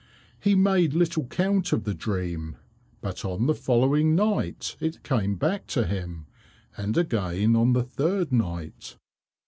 He made little count of the dream, but on the following night it come back to him, and again on the third night.